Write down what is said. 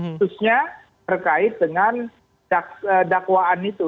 khususnya terkait dengan dakwaan itu